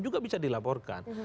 juga bisa dilaporkan